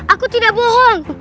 aku tidak bohong